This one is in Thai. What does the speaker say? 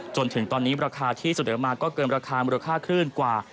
จนถึงตอนนี้ราคาที่เสนอมาก็เกินราคามูลค่าคลื่นกว่า